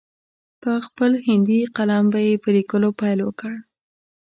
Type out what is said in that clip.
په خپل هندي قلم به یې په لیکلو پیل وکړ.